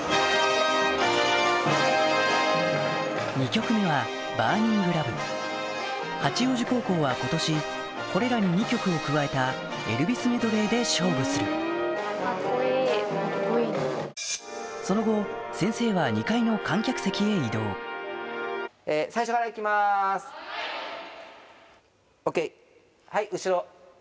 ２曲目は八王子高校は今年これらに２曲を加えたエルヴィスメドレーで勝負するその後先生は２階の観客席へ移動はい。